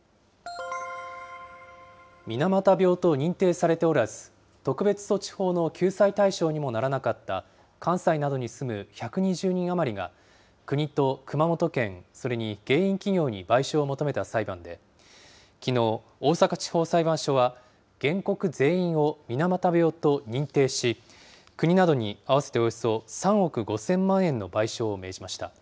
水俣病と認定されておらず、特別措置法の救済対象にもならなかった関西などに住む１２０人余りが、国と熊本県、それに原因企業に賠償を求めた裁判で、きのう、大阪地方裁判所は原告全員を水俣病と認定し、国などに合わせておよそ３億５０００万円の賠償を命じました。